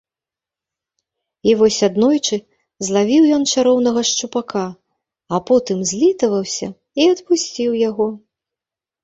І вось аднойчы злавіў ён чароўнага шчупака, а потым злітаваўся і адпусціў яго.